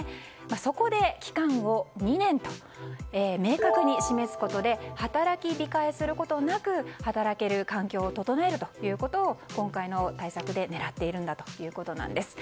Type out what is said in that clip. そこで期間を２年と明確に示すことで働き控えすることなく働ける環境を整えるということを今回の対策で狙っているんだということです。